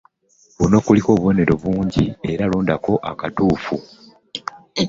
Kuno kuliko obubonero obuyitirivu , londako aktuufu .